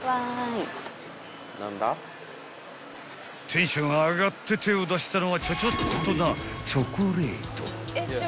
［テンション上がって手を出したのはちょちょっとなチョコレート］